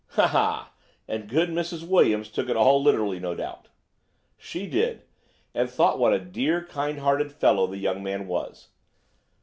'" "Ha, ha, ha! And good Mrs. Williams took it all literally, no doubt?" "She did; and thought what a dear, kind hearted fellow the young man was.